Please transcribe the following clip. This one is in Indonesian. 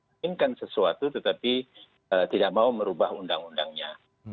mungkin kan sesuatu tetapi tidak mau merubah undang undangnya